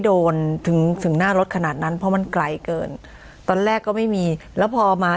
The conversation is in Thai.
โดนถึงถึงหน้ารถขนาดนั้นเพราะมันไกลเกินตอนแรกก็ไม่มีแล้วพอมา